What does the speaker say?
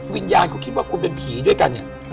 วิญญาณเขาคิดว่าคุณเป็นผีด้วยกันเนี่ย